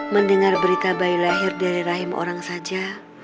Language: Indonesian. mendengar berita bayi lahir dari rahim orang saja